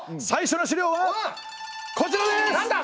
最初の資料はこちらです！